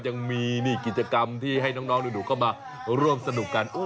ยังมีกิจกรรมที่ให้น้องหนูเข้ามาร่วมสนุกกัน